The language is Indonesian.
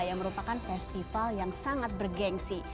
yang merupakan festival yang sangat bergensi